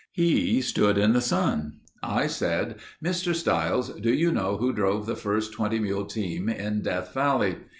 He stood in the sun. I said, "Mr. Stiles, do you know who drove the first 20 mule team in Death Valley?"